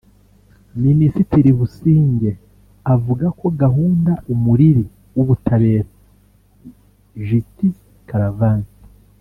Minisitiri Businge avuga ko gahunda “Umuriri w’ubutabera” (Justice Caravan)